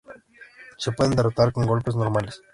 Se pueden derrotar con golpes normales.